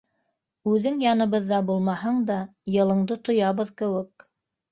Үҙең яныбыҙҙа булмаһаң да, йылыңды тоябыҙ кеүек.